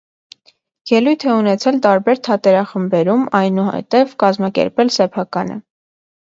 Ելույթ է ունեցել տարբեր թատերախմբերում, այնուհետև կազմակերպել սեփականը։